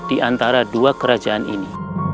di antara dua kerajaan ini